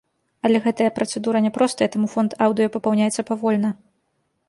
Але гэтая працэдура няпростая, таму фонд аўдыё папаўняецца павольна.